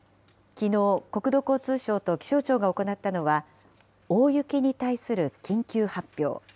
きのう、国土交通省と気象庁が行ったのは、大雪に対する緊急発表。